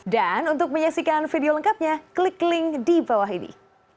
dan untuk menyaksikan video lengkapnya klik link di bawah ini